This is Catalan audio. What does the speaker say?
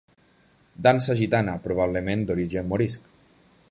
Dansa gitana, probablement d'origen morisc.